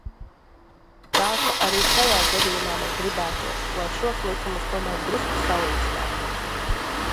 Tā ka arī šajā gadījumā man gribētos, lai šos likumus tomēr drusku salīdzinātu.